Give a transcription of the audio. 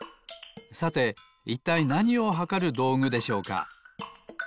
さていったいなにをはかるどうぐでしょうか？